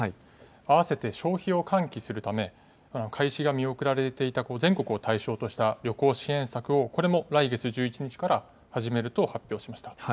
あわせて消費を喚起するため開始が見送られていた全国を対象とした旅行支援策をこれも来月１１日から始めると発表しました。